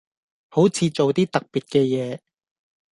好似做啲特別嘅嘢